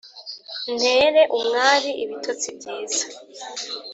ntere umwari ibitotsi byiza